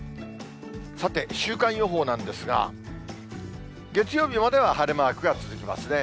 さて、週間予報なんですが、月曜日までは晴れマークが続きますね。